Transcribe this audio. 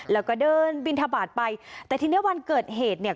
แล้วก็เดินบินทบาทไปแต่ทีนี้วันเกิดเหตุเนี่ย